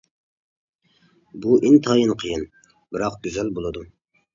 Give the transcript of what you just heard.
بۇ ئىنتايىن قىيىن، بىراق گۈزەل بولىدۇ.